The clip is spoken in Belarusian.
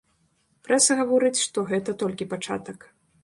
Прэса гаворыць, што гэта толькі пачатак.